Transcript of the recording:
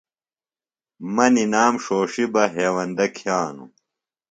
مہ نِنام ݜوݜیۡ بہ ہیوندہ کِھیانوۡ۔